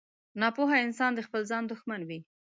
• ناپوه انسان د خپل ځان دښمن وي.